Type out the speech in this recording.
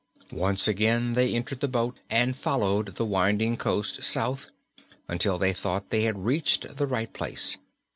Once again they entered the boat and followed the winding coast south until they thought they had reached the right place.